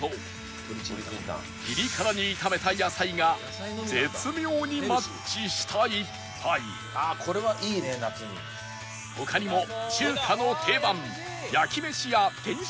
ピリ辛に炒めた野菜が絶妙にマッチした一杯他にも中華の定番ヤキメシや天津飯など